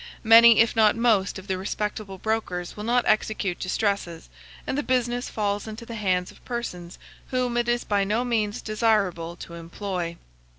Many, if not most, of the respectable brokers will not execute distresses, and the business falls into the hands of persons whom it is by no means desirable to employ.